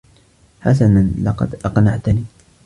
حسنا، لقد أقنعتني.